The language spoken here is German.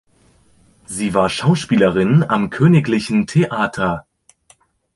Sie war Schauspielerin am Königlichen Theater.